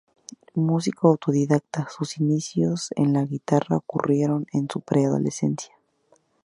Músico autodidacta, sus inicios en la guitarra ocurrieron en su pre-adolescencia.